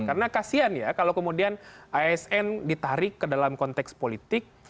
karena kasian ya kalau kemudian asn ditarik ke dalam konteks politik